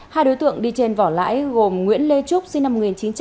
hai đối tượng đi trên vỏ lãi gồm nguyễn lê trúc sinh năm một nghìn chín trăm tám mươi